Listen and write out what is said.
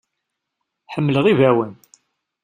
Ḥemmleɣ ibawen.